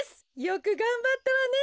よくがんばったわね。